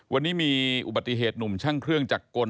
วันนี้มีอุบัติเหตุหนุ่มช่างเครื่องจักรกล